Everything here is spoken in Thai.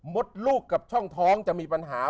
มดลูกกับช่องท้องจะมีปัญหา